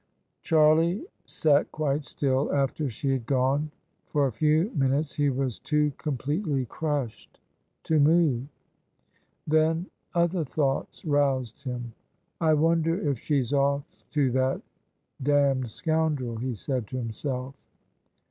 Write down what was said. Charlie sat quite still after she had gone: for a few min utes he was too completely crushed to move. Then other thoughts roused him. " I wonder if she's off to that d — d scoundrel !" he said to himself.